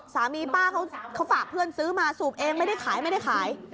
ป้าเขาฝากเพื่อนซื้อมาสูบเองไม่ได้ขายไม่ได้ขาย